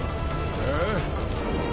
ああ？